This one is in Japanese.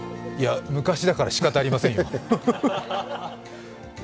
昔だから、しかたありませんよ。